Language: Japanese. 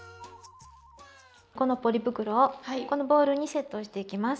このポリ袋をこのボウルにセットしていきます。